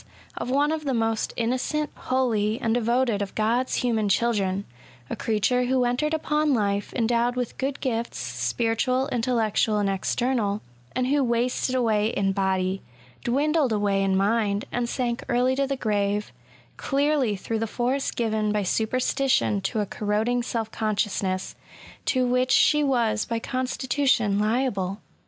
of one of the most innocent, holy, and devoted of God's human chil dren ; a creature who entered upon Ufe endowed with good gifts, spiritual, intellectual, and external, and who wasted away in body, dwindled away in mind, and sank early to the grave, clearly through the force given by superstition to a corroding self consciousness, to which she was by constitution liable.